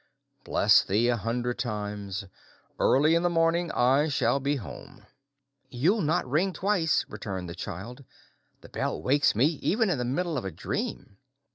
"Bless thee a hundred times! Early in the morning I shall be home." "You'll not ring twice," returned the child. "The bell wakes me, even in the middle of a dream."